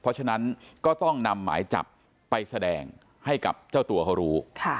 เพราะฉะนั้นก็ต้องนำหมายจับไปแสดงให้กับเจ้าตัวเขารู้